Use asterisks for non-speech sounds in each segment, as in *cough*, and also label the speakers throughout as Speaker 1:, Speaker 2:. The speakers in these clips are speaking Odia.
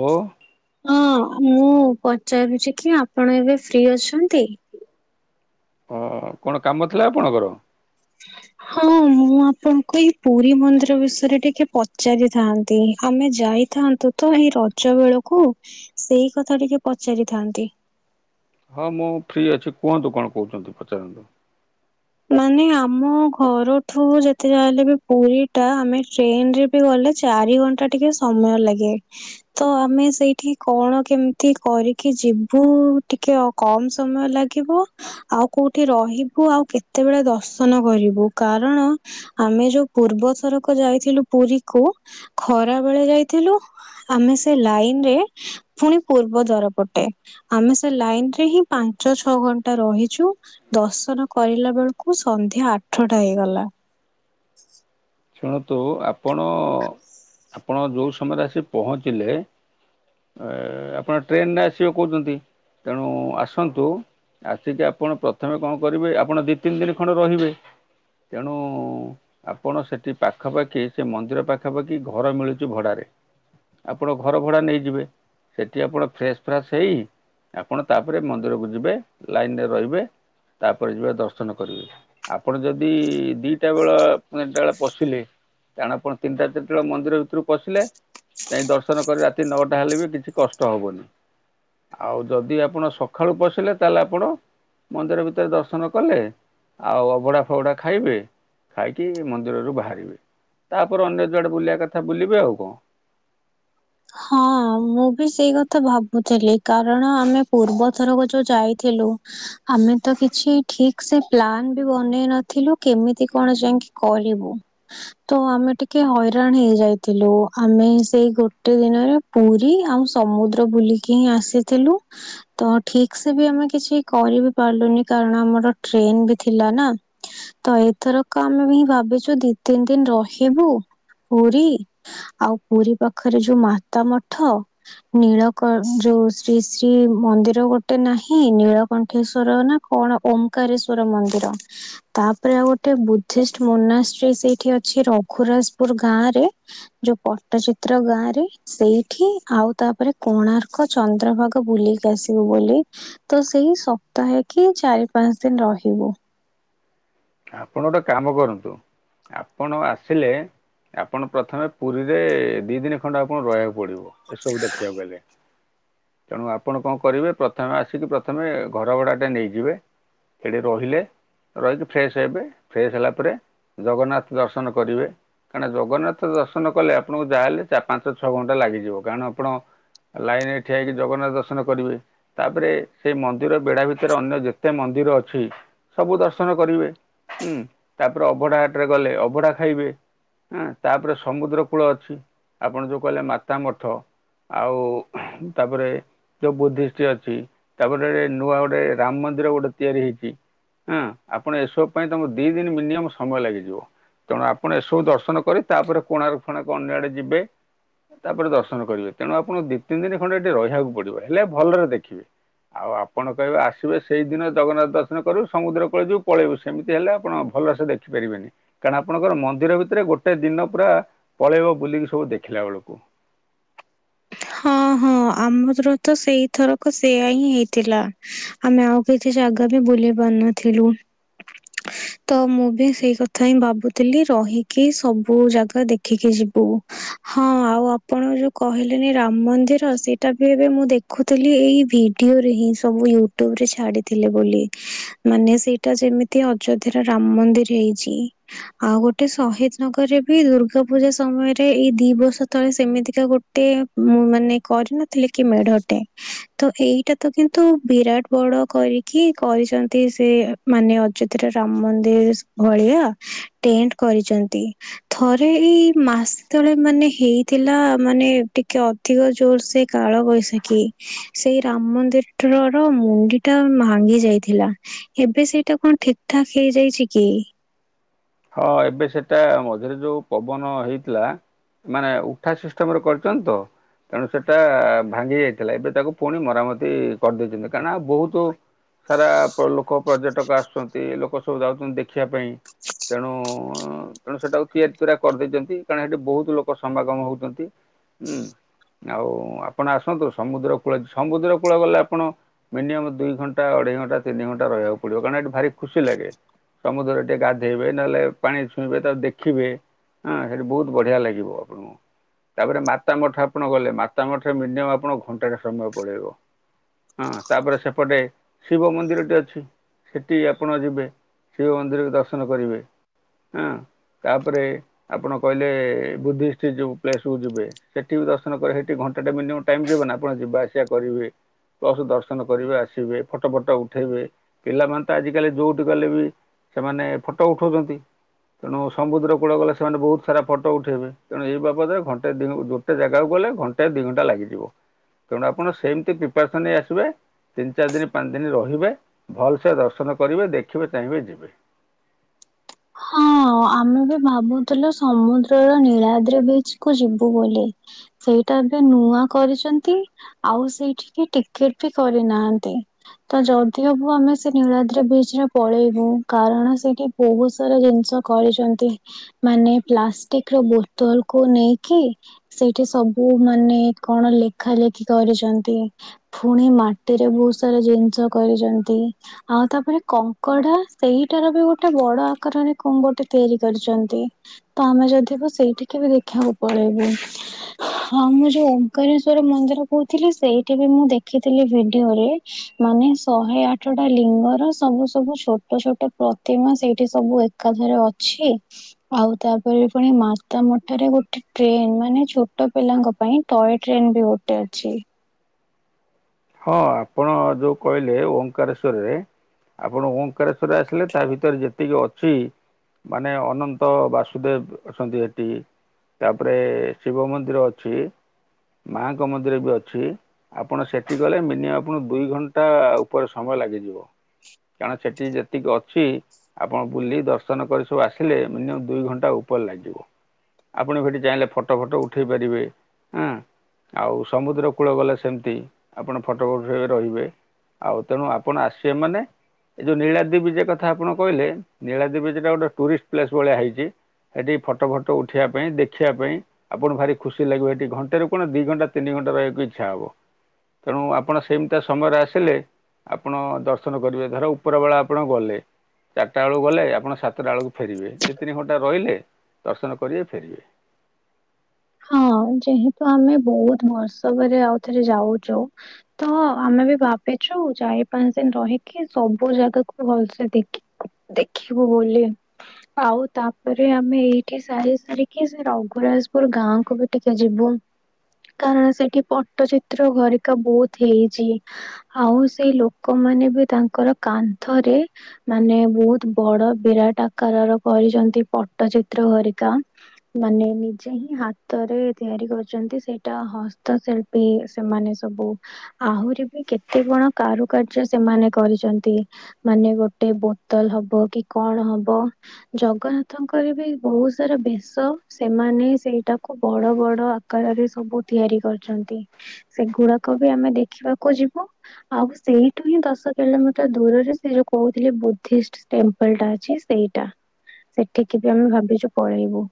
Speaker 1: ଓ
Speaker 2: ହଁ। ମୁଁ ପଚାରୁଚି କି ଆପଣ ଏବେ ଫ୍ରି ଅଛନ୍ତି?
Speaker 1: ହଁ କଣ କାମ ଥିଲା ଆପଣଙ୍କର?
Speaker 2: *inaudible* ହଁ ମୁଁ ଆପଣଙ୍କୁ ଏଇ ପୁରୀ ମନ୍ଦିର ବିଷୟରେ ଟିକେ ପଚାରିଥାନ୍ତି ଆମେ ଯାଇ ଥାନ୍ତୁ ତ ଏଇ ରଜ ବେଳକୁ ସେଇ କଥା ଟିକେ ପଚାରିଥାନ୍ତି?
Speaker 1: ହଁ ମୁଁ ଫ୍ରି ଅଛି କୁହନ୍ତୁ କଣ କହୁଛନ୍ତି ପଚାରନ୍ତୁ?
Speaker 2: ମା ଲେ ଚାରି ଘଣ୍ଟା ଟିକେ ସମୟ ଲାଗେ ତ ଆମେ ସେଇଠି କଣ କେମିତି କରିକି କି ଯିବୁ ଟିକେ କମ ସମୟ ଲାଗିବ ଆଉ କୋଉଠି ରହିବୁ ଆଉ କେ କେତେବେଳେ ଦର୍ଶନ କରିବୁ କାରଣ ଆମେ ଯୋଉ ପୂର୍ବଥରକ ଯାଇଥିଲୁ ପୁରୀକୁ ଖରା ବେଳେ ଯାଇଥିଲୁ ଆମେ ସେ ଲାଇନ ରେ ପୁଣି ପୂର୍ବ ଦ୍ୱାର ପ ଟେ ଆମେ ସେ ଲାଇନ୍ ରେ ହିଁ ପାଞ୍ଚ ଛଅ ଘଣ୍ଟା ରହିଛୁ ଦର୍ଶନ କରିଲା ପ ବେଳକୁ ସନ୍ଧ୍ୟା ଆଠଟା ହେଇଗଲା।
Speaker 1: ଶୁଣନ୍ତୁ ଆପଣ ଆପଣ ଯେଉଁ ସମୟରେ ଆସି ପହଞ୍ଚିଲେ ଆପଣ ଟ୍ରେନରେ ଆସିବେ କହୁଛନ୍ତି, ତେଣୁ ଆସନ୍ତୁ ଆସିକି ଆପଣ ପ୍ରଥମେ କଣ କରିବେ ଆପଣ ଦି ତିନି ଦିନ ଖଣ୍ଡ ରହିବେ ତେଣୁ ଆପଣ ସେ ପାଖାପାଖି ସେ ମନ୍ଦିର ପାଖାପାଖି ଘର ମିଳୁଛି ଭଡାରେ ଆପଣ ଘର ଭଡା ନେଇଯିବେ ସେଠି ଆପଣ ଫ୍ରେଶ ଫ୍ରାସ ହେଇ ଆପଣ ତାପରେ ମନ୍ଦିରକୁ ଯିବେ ଲାଇନରେ ରହିବେ ତାପରେ ଯିବା ଦର୍ଶନ କରିବେ ଆପଣ ଯଦି ଦିଟା ବେଳ ତିନିଟା ବେଳେ ପଶିଲେ କାରଣ ଆପଣ ତିନିଟା ଚାର୍ଟା ବେଳେ ମନ୍ଦିର ଭିତର୍କୁ ପଶିଲେ କାଇହି ଦର୍ଶନ କରି ରାତି ନଅଟା ହେଲେ ବି କିଛି କଷ୍ଟ ହବନି ଆଉ ଯଦି ଆପଣ ସକାଳୁ ପଶିଲେ ତାହେଲେ ଆପଣ ମନ୍ଦିର ଭିତରେ ଦର୍ଶନ କଲେ ଆଉ ଅଭଢଡା ଫବୁଡା ଖାଇବେ, ଖାଇକି ମନ୍ଦି ମିରୁ ବାହାରିବେ ତାପରେ ଅନ୍ୟ ଦୁଆଡେ ବୁଲିବା କଥା ବୁଲିବେ ଆଉ କଣ?
Speaker 2: ହଁ ମୁଁ ବି ସେଇ କଥା ଭାବୁଥିଲି, କାରଣ ଆମେ ପୂର୍ବଥରକୁ ଯୋଉ ଯାଇଥିଲୁ ଆମେ ତ କିଛି ଠିକ ସେ ପ୍ଲାନ୍ ବି ବନେଇ ନଥିଲୁ କେମତି କଣ ଯାଇକି କରିବୁ ତ ଆମେ ଟିକେ ହଇରାଣ ହେଇଯାଇଥିଲୁ, ଆମେ ସେଇ ଗୋ ଟେ ଦିନରେ ପୁରୀ ଆଉ ସମୁଦ୍ର ବୁଲିକି ହିଁ ଆସିଥିଲୁ, ତ ଠିକ ସେ ବି ଆମେ ଆମେ କିଛି କରି ବିି ପାରିଲୁନି କାରଣ ଆମର ଟ୍ରେନ ବି ଥିଲା ନା ତ ଏଥରକ ଆମେ ବି ହିଁ ଭାବିଛୁ ଦି ତିନି ଦିନ ରହିବୁ ପୁରୀ ଆଉ ପୁରୀ ପାକ୍ ପାଖରେ ଯୋଉ ମାତା ମଠ, ନୀଳକ ଯୋଉ ଶ୍ରୀ ଶ୍ରୀ ମନ୍ଦିର ଗୋଟେ ନା ହିଁ ନୀଳକଣ୍ଠେଶ୍ଵର ନା କଣ ଓମକାରେଶ୍ଵର ମନ୍ଦିର ତାପରେ ଆଉ ଗୋଟେ ବୁଧିଷ୍ଟ୍ ମୋନାଷ୍ଟ୍ରୀ ସେଇଠି ଅଛି, ରଘୁରଜପୁର ଗାଁ ରେ ଯୋଉ ପଟ୍ଟଚିତ୍ର ପତ୍ର ଗାଁ ରେ ସେଇଠି ଆଉ ତାପରେ କୋଣାର୍କ ଚନ୍ଦ୍ରଭାଗ ବୁଲିକି ଆସିବୁ ବୋଲି ତ ସେଇ ସପ୍ତାହେ କି ଚାରି ପାଞ୍ଚ ଦିନ ରହିବୁ।
Speaker 1: ଆପଣ ଗୋଟେ କାମ କରନ୍ତୁ ଆପଣ ଆସିଲେ ଆପଣ ପ୍ରଥମେ ପୁରୀରେ ଦି ଦିନ ଖଣ୍ଡ ଆପଣ ରହିବାକୁ ପଡିବ ଏସବୁ ଦେଖିବାକୁ ଗଲେ ତେଣୁ ଆପଣ କଣ କରିବେ ପ୍ରଥମେ ଆସିକି ପ୍ରଥମେ ଘର ଭଡା ଟା ନେଇଯିବେ ସେଠି ରହିଲେ ରହିକି ଫ୍ରେଶ ହେବେ ଫ୍ରେଶ ହେଲା ପରେ ଜଗନ୍ନାଥ ଦର୍ଶନ କରିବେ କାରଣ ଜଗନ୍ନାଥ ଦର୍ଶନ କଲେ ଆପଣଙ୍କୁ ଯାହାହଲେ ପାଞ୍ଚ ଛଅ ଘଣ୍ଟା ଲାଗିଯିବ କାରଣ ଆପଣ ଲାଇନ ରେ ଠିଆଇକି ଜଗନ୍ନାଥ ଦର୍ଶନ କରିବେ ତାପରେ ସେଇ ମନ୍ଦିର ବେଢା ଭିତରେ ଅନ୍ୟ ଯେତେ ମନ୍ଦିର ମନ୍ଦିର ଅଛି ସବୁ ଦର୍ଶନ କରିବେ ହୁଁ ତାପରେ ଅବଢା ହାଟରେ ଗଲେ ଅବଢା ଖାଇବେ ହଁ ତାପରେ ସମୁଦ୍ର କୂଳ ଅଛି ଆପଣ ଯୋଉ କହିଲେ ମାତା ମଠ ଆଉ ତାପରେ ଯୋଉ ବୁଦ୍ଧିଷଷ୍ଟ୍ ଅଛି, ତାପରେ ନୂଆ ଗୋଟେ ରାମ ମନ୍ଦିର ଗୋଟେ ତିଆରି ହେଇଛି ହଁ ଆପଣ ଏସବୁ ପାଇଁ ତମ ଦି ଦିନ ମିନିମମ୍ ସମୟ ଲାଗିଯିବ। ତେଣୁ ଆପଣ ଏସବୁ ଦର୍ଶନ କରି ତାପରେ କୋଣାର୍କ ଫଣାର୍କ ଅନ୍ୟ ଆଡେ ଯିବେ ତାପରେ ଦର୍ଶନ କରିବେ ତେଣୁ ଆପଣ ଦି ତିନି ଦିନ ଖଣ୍ଡେ ଏଠି ରହିବାକୁ ପଡିବ ହେଲେ ଭଲରେ ଦେଖିବେ ଆଉ ଆପଣ କହିବେ ଆସିବେ, ସେଇଦିନ ଜଗନ୍ନାଥ ଦର୍ଶନ କରିବୁ ସମୁଦ୍ର କୂଳେ ଯିବୁ ପଳେଇବୁ ସେମିତି ହେଲେ ଆପଣ ଭଲସେ ଦେଖିପାରିବେନି କାରଣ ଆପଣଙ୍କର ମନ୍ଦିର ଭିତରେ ଗୋଟେ ଦିନ ପୁରା ପଳେଇବ ବୁଲିକି ସବୁ ଦେଖିଲା ବେଳକୁ।
Speaker 2: ହଁ ହଁ ଆମରର ତ ସେଇଥରକ ସେୟା ହିଁ ହେଇଥିଲା ଆମେ ଆଉ କି ଜାଗା ବି ବୁଲି ପାରୁନଥିଲୁ! ତ ମୁଁ ବି ସେଇ କଥା ହିଁ ଭାବୁଥିଲି ରହିକି ସବୁ ଜାଗା ଦେଖିକି ଯିବୁ ହଁ ଆଉ ଆପଣ ଯୋଉ କହି ରାମ ମନ୍ଦିର ସେଇଟା ବି ଏବେ ମୁଁ ଦେଖୁଥିଲି, ଏଇ ଭିଡିଓରେ ହିଁ ସବୁ ୟୁଟ୍ୟୁବ ରେ ଛାଡି ଡି ଥିଲାବୋଲି। ମାନେ ସେଇଟା ଯେମିତି ଅଯୋଧ୍ୟାର ରାମ ମନ୍ଦିର ହେଇଛି ଆଉ ଗୋଟେ ଶହୀଦ ନଗରରେ ବି ଦୁର୍ଗା ପୂଜା ସମୟରେ ଏଇ ଦି ବର୍ଷ ତଳେ ସେମିତିକା ଗୋ ଟେ ମୁଁ ମାନେ କରିନଥିଲେ କି ମେଢଟେ ତ ଏଇଟା ତ କିନ୍ତୁ ବିରାଟ ବ ଡ କରିକି କରିଛନ୍ତି ସେ ମାନେ ଅଯୋଧ୍ୟାର ରାମ ମନ୍ଦିର ଭଳିଆ ଟେଣ୍ଟ କରିଛନ୍ତି ଥରେ ଏଇ ମାସ ତଳେ ମାନେ ହେଇଥିଲା ମାନେ ଟିକେ ଅଧିକ ଜୋର ସେ କାଳ ବୈଶାଖୀ ସେଇ ରାମମନ୍ଦିର ଥର ର ମୁଣ୍ଡି ଟା ଭାଙ୍ଗି ଯାଇଥିଲା ଏବେ ସେଇଟା କଣ ଠିକ ଠାକ ହେଇଯାଇଛି କି?
Speaker 1: ହଁ ଏବେ ସେଟା ମଝିରେ ଯୋଉ ପବନ ହେଇଥିଲା ମାନେ ଉଠା ସିଷ୍ଟମରେ କରିଛନ୍ତି ତ! ତେଣୁ ସେଟା ଭାଙ୍ଗି ଯାଇଥିଲା ଏବେ ତାକୁ ପୁଣି ମରାମତି କରିଦେଇଛନ୍ତି କାରଣ ଆଉ ବହୁତୁ ସାରା ପ ଲୋକ ପର୍ଯ୍ୟଟକ ଆସୁଛନ୍ତି ଲୋକ ସବୁ ଯାଉଛନ୍ତି ଦେଖିବା ପାଇଁ ତେଣୁ ତେଣୁ ସେଟାକୁ ତିଆରି ତିରା କରିଦେଇଛନ୍ତି କାରଣ ହେଠି ବହୁତ ଲୋକ ସମାଗମ ହଉଛନ୍ତି ହୁଁ ଆଉ ଆପଣ ଆସନ୍ତୁ ସମୁଦ୍ର କୂଳ ସମୁଦ୍ର କୂଳ ଗଲେ ଆପଣ ମିନିମମ୍ ଦୁଇ ଘଣ୍ଟା ଅଢ଼େଇ ଘଣ୍ଟ ତିନି ଘଣ୍ଟା ରହିବାକୁ ପଡିବ କାରଣ ଏଠି ଭାରି ଖୁସି ଲାଗେ ସମୁଦ୍ର ଟିକେ ଗା ଧେଇବେ ନହେଲେ ପାଣି ଛୁଇଁବେ ତାକୁ ଦେଖିବେ ହଁ ସେଠି ବହୁତ ବଢିଆ ଲାଗିବ ଆପଣଙ୍କୁ ତାପରେ ମାତା ମଠ ଆପଣ ଗଲେ ମାତା ମଠରେ ମିନିଅମ୍ ଆପଣକ ଘଣ୍ଟାଟେ ସମୟ ପଳେଇବ। ହଁ ତାପରେ ସେପଟେ ଶିବ ମନ୍ଦିରଟି ଅଛି। ସିଟି ଆପଣ ଯିବେ ଶିବ ମନ୍ଦିରରେ ଦର୍ଶନ କରିବେ ହାଁ ତାପରେ ଆପଣ କହିଲେ ବୁଦ୍ଧିଷ୍ଟ୍ ଯୋଉ ପ୍ଲେସ କୁ ଯିବେ ସେଠି ବି ଦର୍ଶନ କ ସେଠି ଘ ଘଣ୍ଟାଟେ ମିନିୟମ୍ ଟାଇମ୍ ଯିବ ନା ଆପଣ ଯିବା ଆସିବା କରିବେ ପ୍ଲସ ଦର୍ଶନ କରିବେ ଆସିବେ ଫଟୋ ଫଟ ଉଠେଇବେ ପିଲାମାନେ ତ ଆଜିକାଲି ଯୋଉଠି ଗଲେ ବି ସେମାନେ ଫଟୋ ଉଠଉଛନ୍ତି ତେଣୁ ସମୁଦ୍ର କୂଳ ଗଲେ ସେମାନେ ବହୁତ ସାରା ଫଟୋ ଉଠେଇବେ ତେଣୁ ଏଇ ବାବଦରେ ଘଣ୍ଟେ ଦିନକୁ ଗୋଟେ ଜାଗାକୁ ଗ ଗଲେ ଘଣ୍ଟାଏ ଦି ଘଣ୍ଟା ଲାଗିଯିବ ତେଣୁ ଆପଣ ସେମତି ପ୍ରେପାରେସନ ନେଇ ଆସିବେ ତିନି ଚାରି ଦିନ ପାଞ୍ଚ ଦିନ ରହିବେ ଭଲସେ ଦର୍ଶନ କରିବେ ଦେଖିବେ ଚାହିଁବେ ଯିବେ।
Speaker 2: ହଁ ଆମେ ବି ଭାବୁଥିଲୁ ସମୁଦ୍ରର ନୀଳାଦ୍ରି ବିଚକୁ ଯିବୁ ବୋଲି ସେଇଟା ଏବେ ନୂଆ କରିଛନ୍ତି ଆଉ ସେଇଠିକି ଟିକଟ ବି କରିନାହାନ୍ତି ତ ଯ ଯଦି ହବୁ ଆମେ ସେ ନୀଳାଦ୍ରି ବ୍ରିଚ୍ ରେ ପଳେଇବୁ କାରଣ ସେଇଠି ବହୁତ ସାରା ଜିନିଷ କରିଛନ୍ତି ମାନେ ପ୍ଲାଷ୍ଟିକର ବୋତଲକୁ ନେଇକି ସେଇଠି ସବୁ କୋଉ ମାନେ କଣ ଲେଖା ଲେଖି କରିଛନ୍ତି ଫୁଣି ମାଟିରେ ବହୁତ ସାରା ଜିନିଷ କରିଛନ୍ତି ଆଉ ତାପରେ କଙ୍କଡା ସେଇଟାର ବି ଗୋଟେ ବଡ ଆକାରରେ କଣ ଗୋ ଟେ ତିଆରି କରିଛନ୍ତି ତ ଆମେ ଯଦି ହେବ ସେଇଠିକି ବି ଦେଖିଆକୁ ପଳେଇବୁ। ହଁ ମୁଁ ଯୋଉ ଓଙ୍କାରେଶ୍ଵରରେ ମନ୍ଦିର କହୁଥିଲି ସେଇଠି ବି ମୁଁ ଦେଖିଥିଲି ଭିଡିଓରେ ମାନେ ଶହେ ଆଠଟା ଲିଙ୍ଗର ସବୁ ସବୁ ଛୋଟ ଛୋଟ ପ୍ରତିମା ସେଇଠି ସବୁ ଏକାଧରେ ଅ ଛି ଆଉ ତାପରେ ପୁଣି ମାତା ମଠରେ ଗୋଟେ ଟ୍ରେନ ମାନେ ଛୋଟ ପିଲାଙ୍କ ପାଇଁ ଟଏ ଟ୍ରେନ ବି ଗୋଟେ ଅଛି।
Speaker 1: ହଁ ଆପଣ ଯୋଉ କହିଲେ ଓଙ୍କାରେଶ୍ଵରରେ ଆପଣ ଓଙ୍କାରେଶ୍ଵରରେ ଆସିଲେ ତା ଭିତରେ ଯେତିକି ଅଛି ମାନେ ଅନନ୍ତ ବାସୁଦେବ ଅଛନ୍ତି ଏଠି ତାପରେ ଶିବ ମନ୍ଦିର ଅଛି ମାଙ୍କ ମନ୍ଦିର ବି ଅଛି ଆପଣ ସେ ଠି ଗଲେ ମିନିଅମ ଆପଣାକୁ ଦୁଇ ଘଣ୍ଟା ଉପରେ ସମୟ ଲାଗିଯିବ। କାରଣ ସେଠି ଯେତିକି ଅଛି ଆପଣ ବୁଲି ଦର୍ଶନ କରି ସବୁ ଆସିଲେ ମିନିଅମ ଦୁଇ ଘଣ୍ଟା ଉପ ପରେ ଲାଗିବ ଆପଣ ସେଠି ଚାହିଁଲେ ଫଟୋ ଫଟୋ ଉଠେଇ ପାରିବେ ହାଁ ଆଉ ସମୁଦ୍ର କୂଳ ଗଲେ ସେମିତି ଆପଣ ଫଟୋ ଫଟ ରହିବେ। ଆଉ ତେଣୁ ଆପଣ ଆସିବେ ମାନେ ଏଇ ଯୋଉ ନୀଳାଦ୍ରି ବିଜେ କଥା ଆପଣ କହିଲେ ନୀଳାଦ୍ରି ବିଜେ ଗୋଟେ ଟୁରିଷ୍ଟ ପ୍ଲେସ ଭଳିଆ ହେଇଛି। ସେଠି ଫଟୋ ଫଟୋ ଉଠେଇଆ ପାଇଁ ଦେଖିଆ ପାଇଁ ଆପଣକୁ ଭାରି ଖୁସି ଲାଗିବ ହେଠି ଘଣ୍ଟେରୁ କଣ ଦି ଘଣ୍ଟା ତିନି ଘ ଣ୍ଟା ରହିବାକୁ ଇଚ୍ଛା ହବ ତେଣୁ ଆପଣ ସେମିତିଆ ସମୟରେ ଆସିଲେ ଆପଣ ଦର୍ଶନ କରିବେ, ଧର ଉପର ବେଳା ଆପଣ ଗଲେ ଚାରିଟା ବେଳକୁ ଗଲେ, ଆପଣ ସାତଟା ବେଳକୁ ଫେରିବେ, ଯେ ତିନି ଘଣ୍ଟା ରହିଲେ ଦର୍ଶନ କରିବେ ଫେରିବେ।
Speaker 2: ହଁ, ଯେହେତୁ ଆମେ ବହୁତ ବର୍ଷ ପରେ ଆଉଥରେ ଯାଉଛୁ ତ ଆମେ ବି ଭପ ଛୁ ଚାରି ପାଞ୍ଚ ଦିନ ରହିକି ସବୁ ଜାଗାକୁ ଭଲସେ ଦେଖ ଦେଖିବୁ ବୋଲି ଆଉ ତାପରେ ଆମେ ଏଇଠି ସାରି ସାରିକି ସେ ରଘୁରରାଜପୁର ଗାଁକୁ ବି ଟିକେ ଯିବୁ। କାରଣ ସେଠି ପଟ୍ଟଚିତ୍ର ଘରିକା ବହୁତ ହେଇଛି ଆଉ ସେଇ ଲୋକ ମାନେ ବି ତାଙ୍କର କାନ୍ଥରେ ମାନେ ବହୁତ ବଡ଼ ବିରାଟ ଆକାରର କରିଛ ନ୍ତି ପଟ୍ଟଚିତ୍ର ଘରିକା ମାନେ ନିଜେ ହିଁ ହାତରେ ତିଆରି କରିଛନ୍ତି, ସେଇଟା ହସ୍ତଶିଳ୍ପୀ ସେମାନେ ସବୁ ଆହୁ ଆହୁରି ବି କେତେ କଣ କାରୁକାର୍ଯ୍ୟ, ସେମାନେ କରିଛନ୍ତି, ମାନେ ଗୋଟେ ବୋତଲ ହବ କି କଣ ହବ, ଜଗନ୍ନାଥଙ୍କର ବି ବହୁତ ସାରା ବେଶ ସେମାନେ ସେଇ ଟାକୁ ବଡ଼ ବଡ଼ ଆକାରରେ ସବୁ ତିଆରି କରିଛନ୍ତି। ସେଗୁଡ଼ାକ ବି ଆମେ ଦେଖିବାକୁ ଯିବୁ ଆଉ ସେଇଠୁ ହିଁ ଦଶ କିଲୋମିଟର ଦୂରରେ ସେ ଯୋଉ କହୁଥିଲି ବୁଦ୍ଧିଷ୍ଟ ଟେମ୍ପଲ ଟା ଅଛି ସେଇଟା। ସେଠିକି ବି ଆମେ ଭାବିଛୁ ପଳେଇବୁ।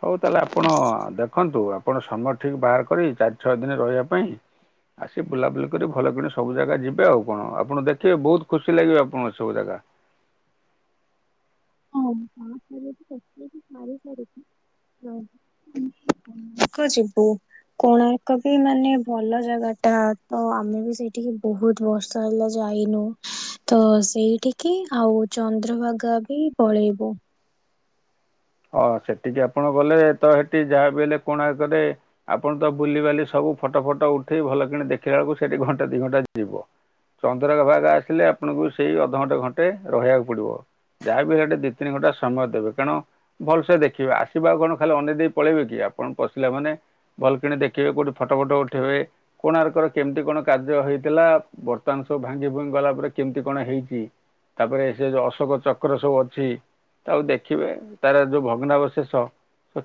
Speaker 1: ହଉ, ତାହେଲେ ଆପଣ ଦେଖନ୍ତୁ ଆ ଆପଣ ସମୟ ଠିକ ବାହାର କରି ଚାରି ଛଅ ଦିନ ରହିବା ପାଇଁ ଆସି ବୁଲାବୁଲି କରି ଭଲ କିଣି ସବୁ ଜାଗା ଯିବେ ଆଉ କଣ, ଆପଣ ଦେଖିବେ ବହୁତ ଖୁସି ଲାଗିବ ଆପଣଙ୍କୁ ଏ ସବୁ ଜାଗା। *unintelligible*
Speaker 2: ହଁ *unintelligible* *unintelligible* କୁ ଯିବୁ କୋଣାର୍କ ବି ମାନେ ଭଲ ଜାଗା ଟା ତ ଆମେ ବି ସେଇଠିକି ବହୁତ ବର୍ଷ ହେଲା ଯାଇ ଯାଇନୁ ହ ତ ସେଇଠିକି ଆଉ ଚନ୍ଦ୍ରଭାଗା ବି ପଳେଇବୁ।
Speaker 1: ହଁ ସେଠିକି ଆପଣ ଗଲେ ତ ସେଠି ଯାହା ବି ହେଲେ କୋଣାର୍କରେ ଆପଣ ତ ବୁଲିବାଲି ସ ବୁ ଫଟୋ ଫଟୋ ଉଠେଇ ଭଲ କିଣି ଦେଖିଲା ବେଳକୁ ସେଠି ଘଣ୍ଟେ ଦି ଘଣ୍ଟା ଯିବ। ଚନ୍ଦ୍ରଭାଗା ଆସିଲେ ଆପଣଙ୍କୁ ସେଇ ଅଧଘଣ୍ଟା ଘଣ୍ଟେ ରହିବାକୁ ପଡ଼ିବ। ଯାହାବି ସେଠି ଦି ତିନି ଘଣ୍ଟା ସମୟ ଦେବେ, କାରଣ ଭଲସେ ଦେଖିବେ, ଆସିବେ ଆଉ କଣ ଖାଲି ଅନେଇ ଦେଇ ପଳେଇବେ କି ଆପଣ ପଶିଲା ମାନେ ଭଲ କିଣି ଦେଖିବେ କୋଉଠି ଫଟୋ ଫଟୋ ଉଠେଇବେ। କୋଣାର୍କର କେମିତି କଣ କାର୍ଯ୍ୟ ହେଇଥିଲା ବର୍ତ୍ତମାନ ସବୁ ଭାଙ୍ଗି ଭୁଙ୍ଗି ଗଲା ପରେ କେମିତି କଣ ହେଇଛି? ତାପରେ ସେ ଯୋଉ ଅଶୋକ ଚକ୍ର ସବୁ ଅଛି, ତାକୁ ଦେଖିବେ। ତାର ଯୋଉ ଭଗ୍ନାବଶେଷ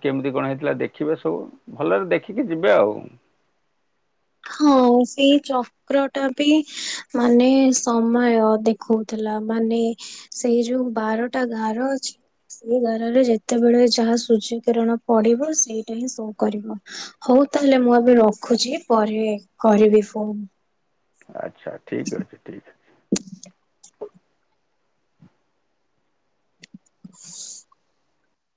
Speaker 1: କେମିତି କଣ ହେଇଥିଲା ଦେଖିବେ ସବୁ ଭଲରେ ଦେଖିକି ଯିବେ ଆଉ।
Speaker 2: ହଁ ସେଇ ଚକ୍ର ଟା ବି ମାନେ ସମୟ ଦେଖେଉଥିଲା। ମାନେ ସେଇ ଯୋଉ ବାରଟା ଗାର ଅଛି ସେଇ ଗାରରେ ଯେତେବେଳେ ଯାହା ସୂର୍ଯ୍ୟ କିରଣ ପଡ଼ିବ ସେଇଟା ହିଁ ଶୋ କରିବ ହଉ ତାହେଲେ ମୁଁ ଏବେ ରଖୁଛି ପରେ କରିବି ଫୋନ।
Speaker 1: ଆଚ୍ଛା ଠିକ ଅଛି ଠିକ ଅଛି।
Speaker 2: *unintelligible*